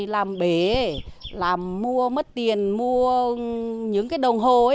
làm bể mua mất tiền mua những đồng hồ